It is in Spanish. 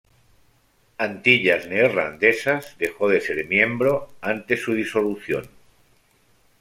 Antillas Neerlandesas dejó de ser miembro ante su disolución.